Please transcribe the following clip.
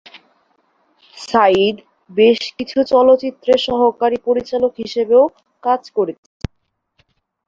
সাইদ বেশ কিছু চলচ্চিত্রে সহকারী পরিচালক হিসাবেও কাজ করেছেন।